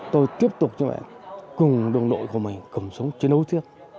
tôi tiếp tục như vậy cùng đồng đội của mình cầm sống chiến đấu thiết